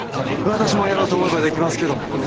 私もやろうと思えばできますけども。